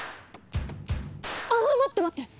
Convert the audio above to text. ああ待って待って！